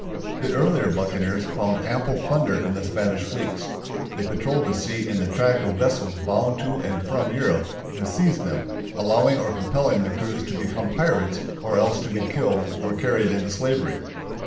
The earlier buccaneers found ample plunder in the Spanish fleets. They patrolled the sea in the track of vessels bound to and from Europe, and seized them, allowing or compelling the crews to become pirates, or else to be killed or carried into slavery.